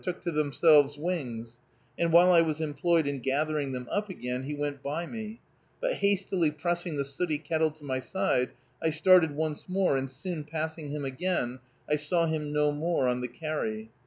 took to themselves wings, and while I was employed in gathering them up again, he went by me; but hastily pressing the sooty kettle to my side, I started once more, and soon passing him again, I saw him no more on the carry.